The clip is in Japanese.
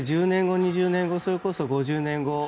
１０年後、２０年後それこそ５０年後